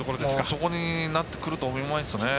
そこになってくると思いますね。